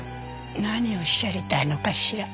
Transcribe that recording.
何をおっしゃりたいのかしら？